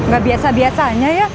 gak biasa biasanya ya